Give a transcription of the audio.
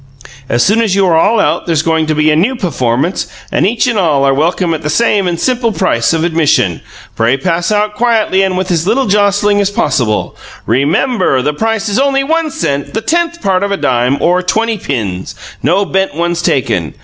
As soon as you are all out there's goin' to be a new pufformance, and each and all are welcome at the same and simple price of admission. Pray pass out quietly and with as little jostling as possible. RE MEM BUR the price is only one cent, the tenth part of a dime, or twenty pins, no bent ones taken.